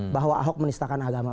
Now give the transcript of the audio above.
bahwa ahok menistakan agama